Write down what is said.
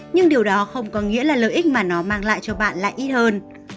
nhưng điều đó không có nghĩa là lợi ích mà nó mang lại cho bạn lại ít hơn